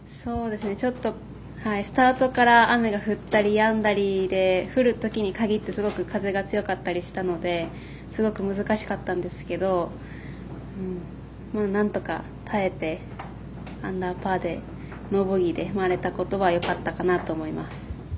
ちょっとスタートから雨が降ったりやんだりで降るときに限ってすごく風が強かったりしたのですごく難しかったんですけどなんとか耐えてアンダーパーでノーボギーで回れたことはよかったかなと思います。